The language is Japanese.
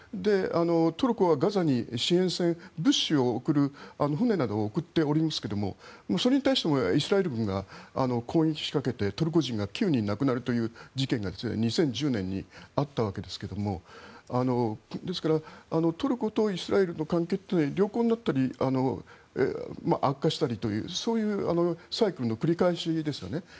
トルコはガザに支援船物資を送る船などを送っておりますけどもそれに対してもイスラエル軍が攻撃を仕掛けてトルコ人が９人亡くなるという事件が２０１０年にあったんですがですからトルコとイスラエルの関係は良好になったり悪化したりというそういうサイクルの繰り返しですよね。